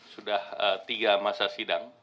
sudah tiga masa sidang